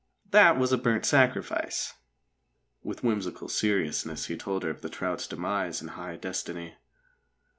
"That was a burnt sacrifice." With whimsical seriousness he told her of the trout's demise and high destiny.